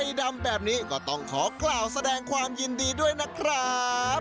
ดำแบบนี้ก็ต้องขอกล่าวแสดงความยินดีด้วยนะครับ